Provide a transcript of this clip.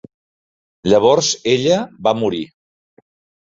Llavors ella va morir.